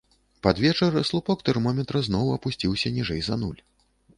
Пад вечар слупок тэрмометра зноў апусціўся ніжэй за нуль.